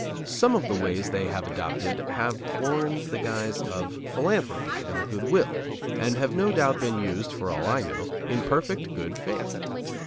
Some of the ways they have adopted have worn the guise of philanthropy and good will, and have no doubt been used, for all I know, in perfect good faith.